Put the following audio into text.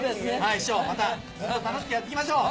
師匠また楽しくやっていきましょう。